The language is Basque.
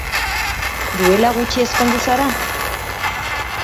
Duela gutxi ezkondu zara?